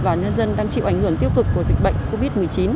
và nhân dân đang chịu ảnh hưởng tiêu cực của dịch bệnh covid một mươi chín